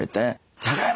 じゃがいも